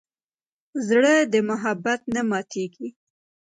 زړه د محبت نه ماتېږي.